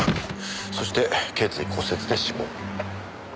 そして頸椎骨折で死亡。